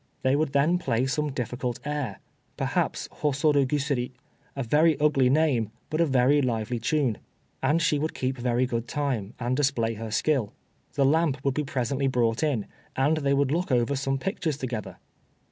They would then play some difficult air, perhaps Hosoroguseri, a very ugly name, but a very lively tune, and she would keep very good time, and display her skill. The lamp would be presently brought in, and they would look over some pictures together.